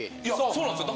そうなんですよ。